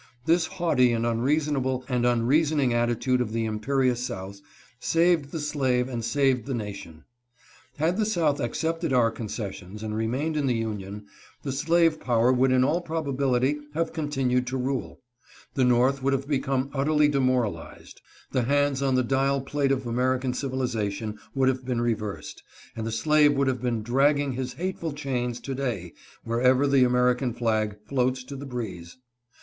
This haughty and unreasonable and unreasoning attitude of the imperious South saved the slave and saved the nation. Had the South accepted our concessions and remained in the Union, the slave power would in all probability have continued to rule ; the North would have become utterly demoralized; the hands on the dial plate of American civilization would have been reversed, and the slave would have been dragging his hateful chains to day wherever the American flag floats to the breeze.